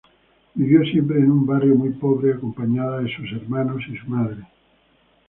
Vivió siempre en un barrio muy pobre acompañada de sus hermanos y su madre.